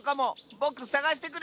ぼくさがしてくる！